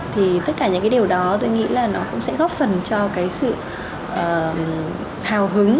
thì tất cả những điều đó tôi nghĩ là nó cũng sẽ góp phần cho sự hào hứng